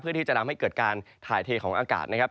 ที่จะทำให้เกิดการถ่ายเทของอากาศนะครับ